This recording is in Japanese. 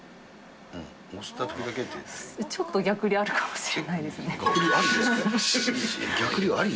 ちょっと逆流あるかもしれな逆流ありですか？